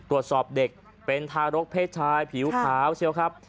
ตรวจสอบเด็กเป็นทารกเพชรชายผิวขาวเชียวครับ